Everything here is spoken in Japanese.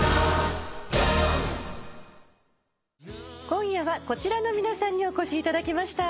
今夜はこちらの皆さんにお越しいただきました。